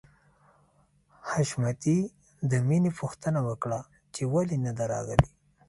حشمتي د مینې پوښتنه وکړه چې ولې نده راغلې